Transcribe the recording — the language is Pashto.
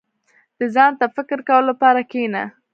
• د ځان ته فکر کولو لپاره کښېنه.